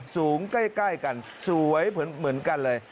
สูงใกล้กันสวยเหมือนกันเลย